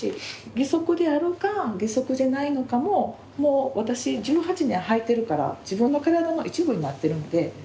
義足であるか義足じゃないのかももう私１８年履いてるから自分の体の一部になっているので。